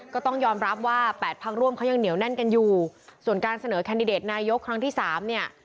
ก็ต้องยอมรับว่าแปดพักร่วมเขายังเหนียวแน่นกันอยู่ส่วนการเสนอแคนดิเดตนายกครั้งที่สามเนี่ย